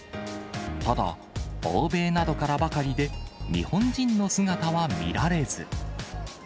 ただ欧米などからばかりで日本人の姿は見られず。